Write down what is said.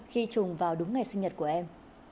khi trùng vào đúng ngày sinh nhật của em